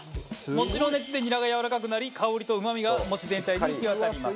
餅の熱でニラがやわらかくなり香りとうまみが餅全体に行き渡ります。